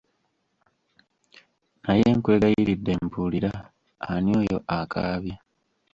Naye nkwegayiridde mbuulira, ani oyo akaabye?